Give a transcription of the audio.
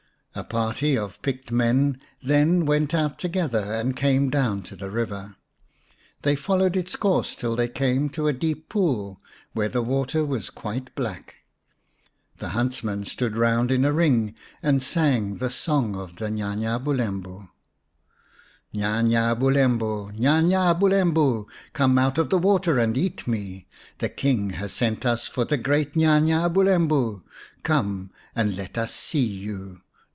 A party of picked men then went out together and came down to the river. They followed its course till they came to a deep pool, where the water was quite black. The huntsmen stood round in a ring and sang the song of the Nya nya Bulembu :" Nya nya Bulembu, Nya nya Bulembu, Come out of the water and eat me ! The King has sent us for the great Nya nya Bulembu ! Come and let us see you